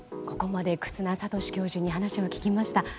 ここまで、忽那賢志教授に話を聞きました。